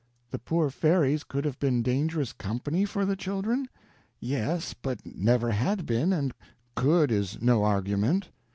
The poor fairies could have been dangerous company for the children? Yes, but never had been; and could is no argument.